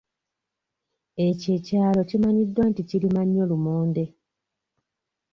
Ekyo ekyalo kimanyiddwa nti kirima nnyo lumonde.